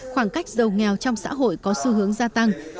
khoảng cách giàu nghèo trong xã hội có xu hướng gia tăng